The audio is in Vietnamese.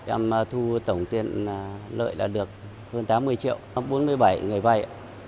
em thu tổng tiền lợi là được hơn tám mươi triệu bốn mươi bảy người vay